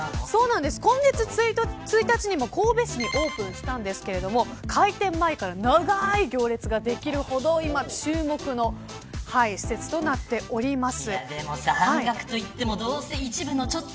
今月１日にも神戸市にオープンしましたが開店前から長い行列ができるほど今注目の施設となっております。